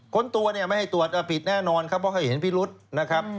ตัวเนี่ยไม่ให้ตรวจผิดแน่นอนครับเพราะเขาเห็นพิรุษนะครับ